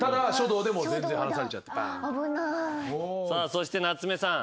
そして夏目さん。